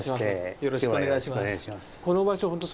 よろしくお願いします。